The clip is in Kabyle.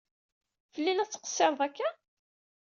Fell-i i la tettqessiṛeḍ akka?